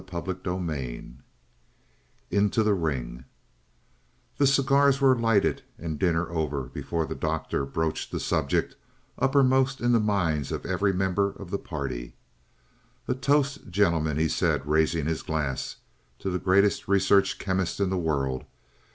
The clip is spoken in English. CHAPTER II INTO THE RING The cigars were lighted and dinner over before the Doctor broached the subject uppermost in the minds of every member of the party. "A toast, gentlemen," he said, raising his glass. "To the greatest research chemist in the world.